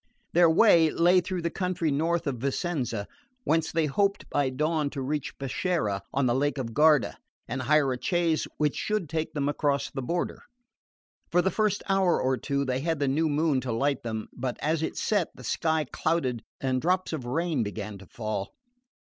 Their way lay through the country north of Vicenza, whence they hoped by dawn to gain Peschiera on the lake of Garda, and hire a chaise which should take them across the border. For the first hour or two they had the new moon to light them; but as it set the sky clouded and drops of rain began to fall.